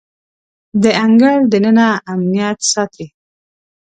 د انګړ دننه امنیت ساتي.